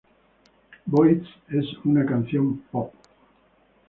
Boyz" es una canción Pop.